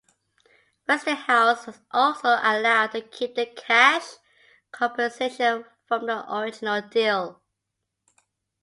Westinghouse was also allowed to keep the cash compensation from the original deal.